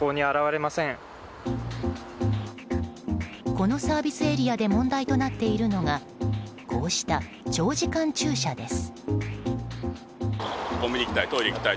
このサービスエリアで問題となっているのがこうした長時間駐車です。